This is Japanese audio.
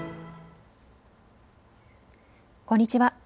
こんにちは。